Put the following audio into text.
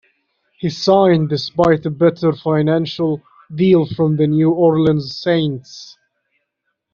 He signed despite a better financial deal from the New Orleans Saints.